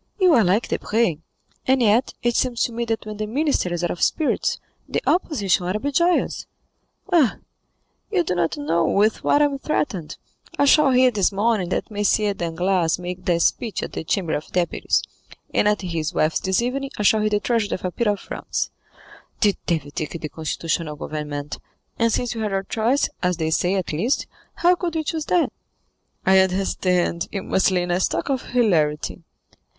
"You are like Debray, and yet it seems to me that when the minister is out of spirits, the opposition ought to be joyous." "Ah, you do not know with what I am threatened. I shall hear this morning that M. Danglars make a speech at the Chamber of Deputies, and at his wife's this evening I shall hear the tragedy of a peer of France. The devil take the constitutional government, and since we had our choice, as they say, at least, how could we choose that?" "I understand; you must lay in a stock of hilarity."